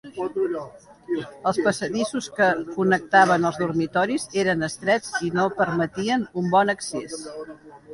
Els passadissos que connectaven els dormitoris eren estrets i no permetien un bon accés.